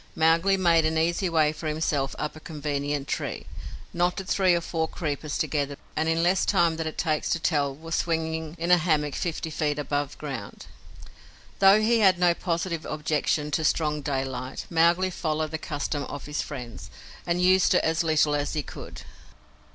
Mowgli made an easy way for himself up a convenient tree, knotted three or four creepers together, and in less time than it takes to tell was swinging in a hammock fifty feet above ground. Though he had no positive objection to strong daylight, Mowgli followed the custom of his friends, and used it as little as he could.